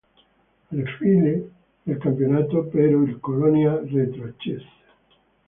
Alla fine del campionato però il Colonia retrocesse.